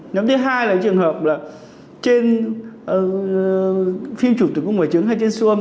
nhóm thứ hai là trường hợp là trên phim trụ tử cung và chứng hay trên xương